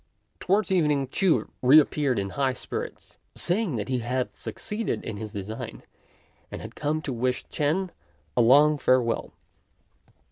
Towards evening Ch'u re appeared in high spirits, saying that he had succeeded in his design, and had come to wish Ch'ên a long farewell.